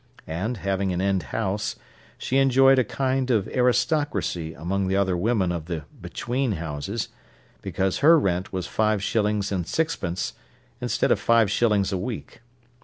And, having an end house, she enjoyed a kind of aristocracy among the other women of the "between" houses, because her rent was five shillings and sixpence instead of five shillings a week.